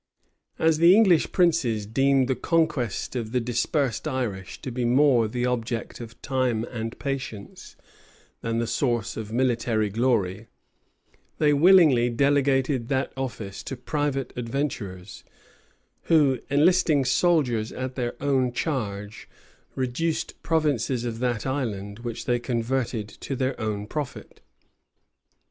[*] As the English princes deemed the conquest of the dispersed Irish to be more the object of time and patience than the source of military glory, they willingly delegated that office to private adventurers; who, enlisting soldiers at their own charge, reduced provinces of that island, which they converted to their own profit.